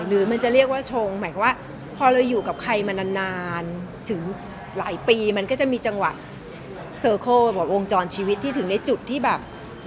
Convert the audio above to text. หรือมันจะเรียกว่าชงหมายความว่าพอเราอยู่กับใครมานานถึงหลายปีมันก็จะมีจังหวะเซอร์โคลแบบวงจรชีวิตที่ถึงในจุดที่แบบ